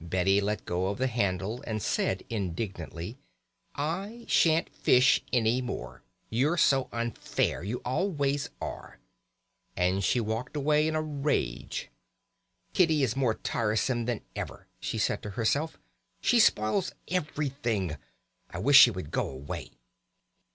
Betty let go of the handle and said indignantly, "I shan't fish any more. You're so unfair; you always are!" And she walked away in a rage. "Kitty is more tiresome than ever," she said to herself. "She spoils everything. I wish she would go away!"